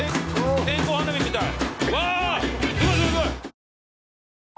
線香花火みたい！